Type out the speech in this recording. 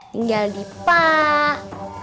tinggal di pak